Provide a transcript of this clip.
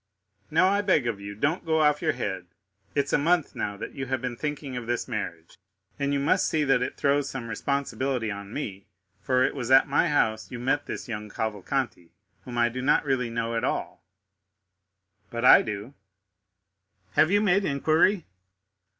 "Now, I beg of you, don't go off your head. It's a month now that you have been thinking of this marriage, and you must see that it throws some responsibility on me, for it was at my house you met this young Cavalcanti, whom I do not really know at all." "But I do." "Have you made inquiry?"